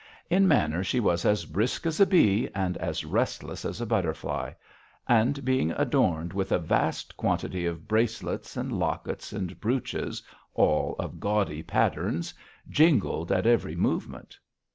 In manner she was as brisk as a bee and as restless as a butterfly; and being adorned with a vast quantity of bracelets, and lockets, and brooches, all of gaudy patterns, jingled at every movement.